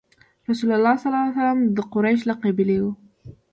رسول الله ﷺ د قریش له قبیلې وو.